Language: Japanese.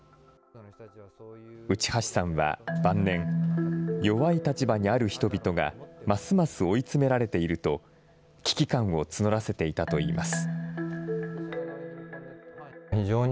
内橋さんは晩年、弱い立場にある人々がますます追い詰められていると、危機感を募らせていたといいます。